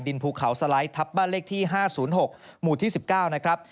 ภูเขาสไลด์ทับบ้านเลขที่๕๐๖หมู่ที่๑๙นะครับ